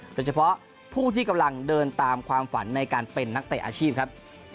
โดยเฉพาะผู้ที่กำลังเดินตามความฝันในการเป็นนักเตะอาชีพครับ